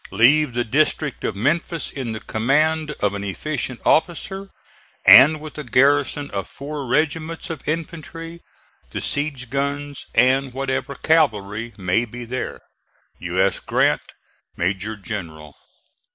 Leave the District of Memphis in the command of an efficient officer, and with a garrison of four regiments of infantry, the siege guns, and whatever cavalry may be there. U. S. GRANT, Major General.